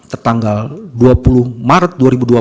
tertanggal dua puluh maret dua ribu dua puluh